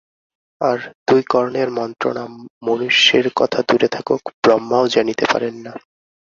আর দুই কর্ণের মন্ত্রণা মনুষ্যের কথা দূরে থাকুক ব্রহ্মাও জানিতে পারেন না।